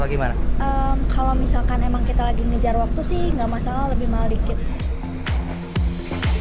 kalau misalkan kita sedang mengejar waktu tidak masalah lebih mahal sedikit